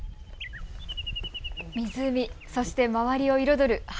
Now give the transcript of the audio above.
湖、そして周りを彩る花。